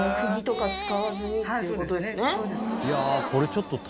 そうですね。